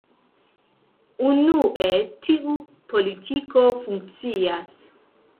Unue, tiu politiko funkcias.